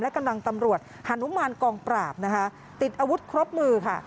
และกำลังตำรวจฮานุมานกองปราบนะคะติดอาวุธครบมือค่ะ